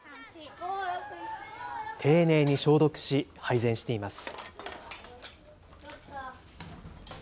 丁寧に消毒し、配膳しています。